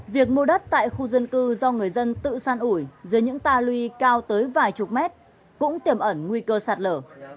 việc mua đất tại khu dân cư do người dân tự san ủi dưới những ta lui cao tới vài chục mét cũng tiềm ẩn nguy cơ sạt lở